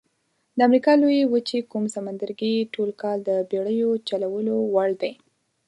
د امریکا لویې وچې کوم سمندرګي ټول کال د بېړیو چلولو وړ دي؟